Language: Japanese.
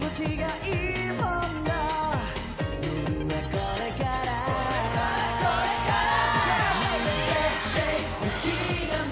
これからこれから！